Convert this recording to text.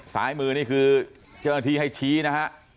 สายมือนี่คือเชื่อที่ให้ชี้นะฮะ